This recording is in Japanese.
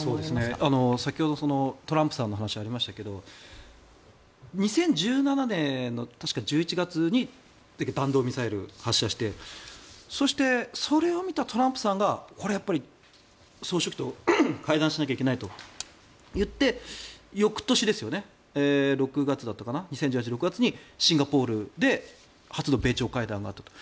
先ほど、トランプさんのお話がありましたが２０１７年の確か１１月に弾道ミサイル発射してそしてそれを見たトランプさんがこれはやっぱり総書記と会談しなきゃいけないと言って翌年、６月だったか２０１８年６月にシンガポールで初の米朝会談があったと。